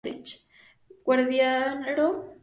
Guadiaro aguarda el nombramiento de un nuevo obispo